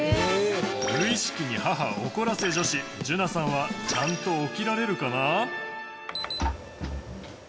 無意識に母怒らせ女子じゅなさんはちゃんと起きられるかな？